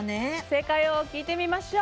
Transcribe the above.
正解を聞いてみましょう。